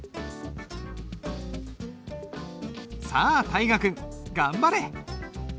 さあ大河君頑張れ！